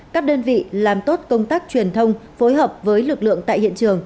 các đơn vị làm tốt công tác truyền thông phối hợp với lực lượng tại hiện trường